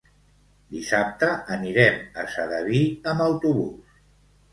Dissabte anirem a Sedaví amb autobús.